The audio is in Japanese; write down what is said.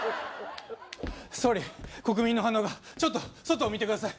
総理国民の反応がちょっと外を見てください